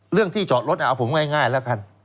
ที่จอดรถเอาผมง่ายแล้วกัน